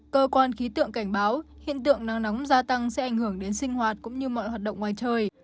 cơ quan khí tượng cảnh báo hiện tượng nắng nóng gia tăng sẽ ảnh hưởng đến sinh hoạt cũng như mọi hoạt động ngoài trời